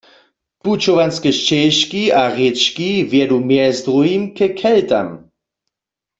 Pućowanske šćežki a rěčki wjedu mjez druhim ke Keltam.